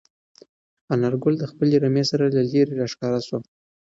انارګل د خپلې رمې سره له لیرې راښکاره شو.